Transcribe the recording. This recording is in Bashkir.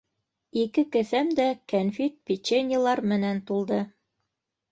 Ике кеҫәм дә кәнфит-печеньелар менән тулды.